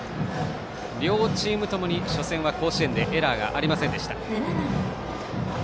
両チームともに初戦は甲子園でエラーがありませんでした。